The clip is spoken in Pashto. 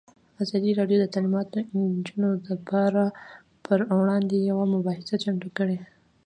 ازادي راډیو د تعلیمات د نجونو لپاره پر وړاندې یوه مباحثه چمتو کړې.